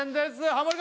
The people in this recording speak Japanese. ハモリ